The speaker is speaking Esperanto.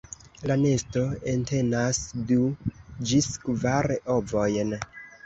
La nesto entenas du ĝis kvar ovojn.